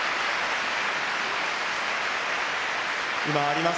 今、あります